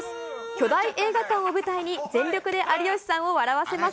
巨大映画館を舞台に、全力で有吉さんを笑わせます。